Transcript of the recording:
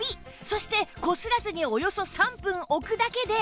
そしてこすらずにおよそ３分置くだけで